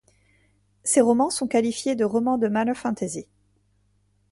Ses romans sont qualifiés de romans de Manner fantasy.